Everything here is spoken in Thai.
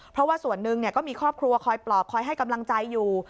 เพราะว่าส่วนหนึ่งก็มีครอบครัวคอยปลอบคอยให้กำลังใจอยู่